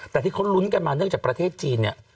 แต่ที่เขาลุ้นกันมาเนื่องจากประเทศจีนเนี่ย